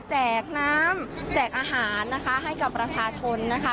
แจกน้ำแจกอาหารนะคะให้กับประชาชนนะคะ